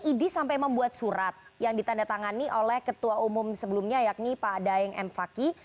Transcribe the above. idi sampai membuat surat yang ditandatangani oleh ketua umum sebelumnya yakni pak daeng m fakih